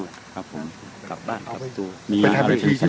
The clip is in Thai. สวัสดีครับทุกคน